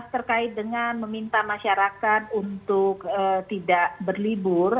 terkait dengan meminta masyarakat untuk tidak berlibur